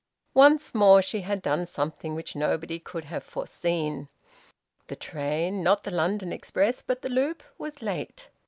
Once more she had done something which nobody could have foreseen. The train not the London express, but the loop was late.